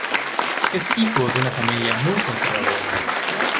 Es hijo de una familia muy conservadora.